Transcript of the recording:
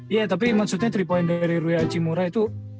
iya tapi maksudnya tripoin dari rui hachimura itu